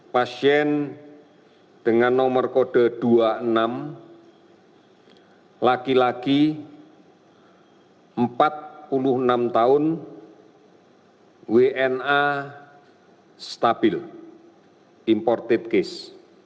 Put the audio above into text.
pasien dengan nomor kode dua puluh enam laki laki empat puluh enam tahun wna stabil imported case